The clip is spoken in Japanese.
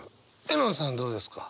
絵音さんどうですか？